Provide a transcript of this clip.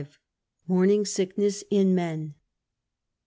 Morning Sickness in Men.